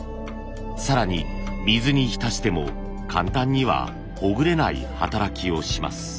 更に水にひたしても簡単にはほぐれない働きをします。